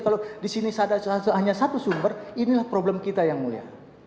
kalau di sini hanya satu sumber inilah problem kita yang mulia